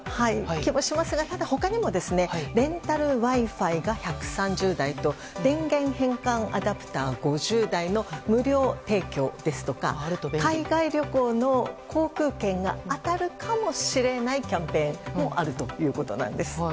気もしますが、他にもレンタルＷｉ‐Ｆｉが１３０台と電源変換アダプター５０台の無料提供ですとか海外旅行の航空券が当たるかもしれないキャンペーンもあるということです。